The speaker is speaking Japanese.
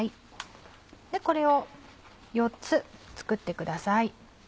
これを４つ作ってください。